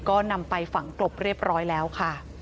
ก็นำไปฝังกลบเรียบร้อยแล้วค่ะ